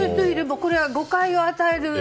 これは誤解を与える。